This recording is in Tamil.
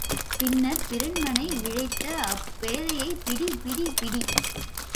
பின்னர், பிறன்மனை விழைந்த அப்பேதையைப் பிடி, பிடி, பிடி.